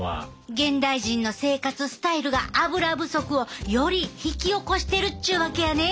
現代人の生活スタイルがアブラ不足をより引き起こしてるっちゅうわけやね。